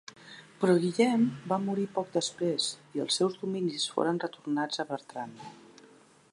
Però Guillem va morir poc després i els seus dominis foren retornats a Bertran.